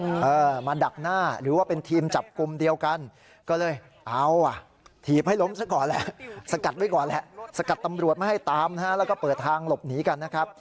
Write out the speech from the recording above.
เออมาดักหน้าหรือว่าเป็นทีมจับกลุ่มเดียวกันก็เลยเอาอ่ะถีบให้ล้มซะก่อนแหละสกัดไว้ก่อนแหละสกัดตำรวจไม่ให้ตามนะฮะแล้วก็เปิดทางหลบหนีกันนะครับ